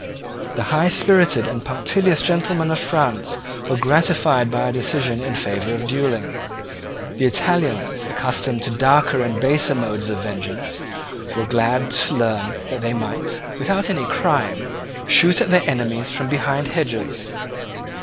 The high spirited and punctilious gentlemen of France were gratified by a decision in favour of duelling. The Italians, accustomed to darker and baser modes of vengeance, were glad to learn that they might, without any crime, shoot at their enemies from behind hedges.